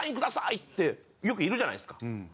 ってよくいるじゃないですか。